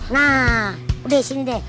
nah sini deh